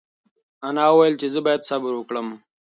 انا وویل چې زه باید صبر وکړم.